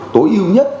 tối ưu nhất